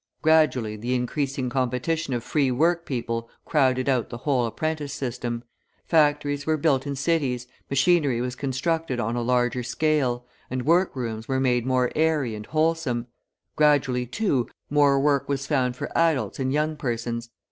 Gradually the increasing competition of free workpeople crowded out the whole apprentice system; factories were built in cities, machinery was constructed on a larger scale, and workrooms were made more airy and wholesome; gradually, too, more work was found for adults and young persons.